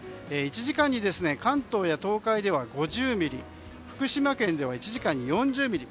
１時間に関東や関東や東海では５０ミリ福島県では１時間に４０ミリ。